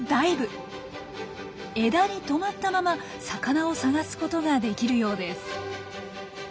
枝に止まったまま魚を探すことができるようです。